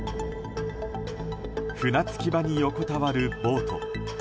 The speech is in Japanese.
船着き場に横たわるボート。